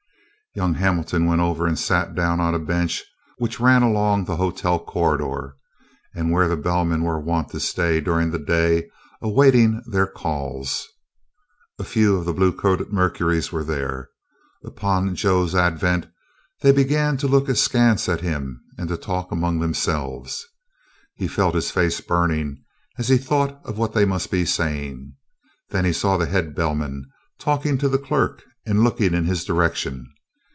Young Hamilton went over and sat down on a bench which ran along the hotel corridor and where the bellmen were wont to stay during the day awaiting their calls. A few of the blue coated Mercuries were there. Upon Joe's advent they began to look askance at him and to talk among themselves. He felt his face burning as he thought of what they must be saying. Then he saw the head bellman talking to the clerk and looking in his direction.